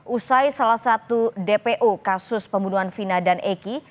usai salah satu dpo kasus pembunuhan vina dan eki